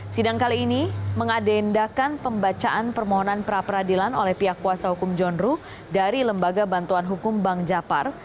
sidang kali ini mengadendakan pembacaan permohonan praperadilan oleh pihak kuasa hukum john ruh dari lembaga bantuan hukum bank jafar